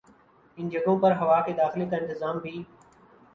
ان جگہوں پر ہوا کے داخلے کا انتظام بھی